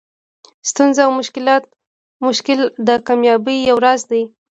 ستونزه او مشکل د کامیابۍ یو راز دئ.